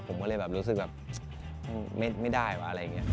ผมก็เลยแบบรู้สึกแบบไม่ได้วะอะไรอย่างนี้